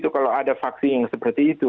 kalau ada vaksin yang seperti itu